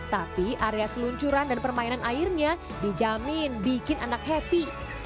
tapi area seluncuran dan permainan airnya dijamin bikin anak happy